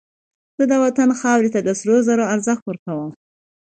زه د وطن خاورې ته د سرو زرو ارزښت ورکوم